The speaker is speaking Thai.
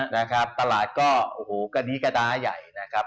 นะครับตลาดก็โอ้โหกระนี้กระดาใหญ่นะครับ